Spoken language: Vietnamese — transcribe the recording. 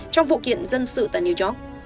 trong vụ kiện dân sự tại new york